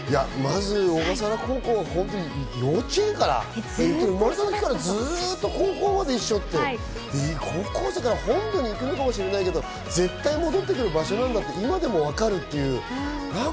小笠原高校、幼稚園から、生まれた時からずっと高校まで一緒って、本土に行くかもしれないけれども、絶対戻ってくる場所なんだって、今でも分かるっていう。